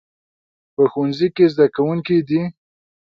په ښوونځي کې زده کوونکي دي